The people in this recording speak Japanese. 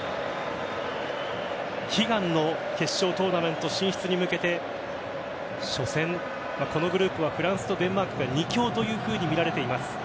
悲願の決勝トーナメント進出に向けてこのグループはフランスとデンマークが２強と見られています。